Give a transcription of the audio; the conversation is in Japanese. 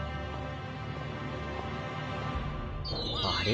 あれ？